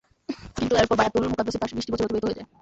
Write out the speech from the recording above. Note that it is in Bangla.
কিন্তু এরপর বায়তুল মুকাদ্দাসে তার বিশটি বছর অতিবাহিত হয়ে যায়।